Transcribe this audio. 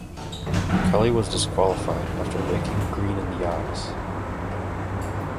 Kelly was disqualified after raking Green in the eyes.